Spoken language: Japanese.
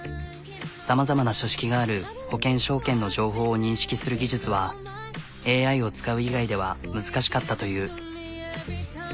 さまざまな書式がある保険証券の情報を認識する技術はＡＩを使う以外では難しかったという。